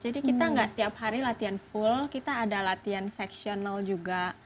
jadi kita tidak tiap hari latihan penuh kita ada latihan seksional juga